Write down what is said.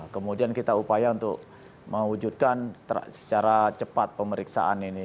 kemudian kita upaya untuk mewujudkan secara cepat pemeriksaan ini